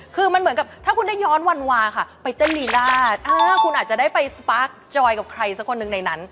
คือมันเหมือนกับถ้าคุณได้ย้อนวันวาค่ะไปเต้นลีราชคุณอาจจะได้ไปสปาร์คจอยกับใครสักคนหนึ่งในนั้น